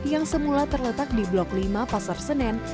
yang semula terletak di blok lima pasar senen